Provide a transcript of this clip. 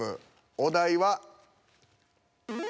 お題は。